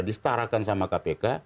disetarakan sama kpk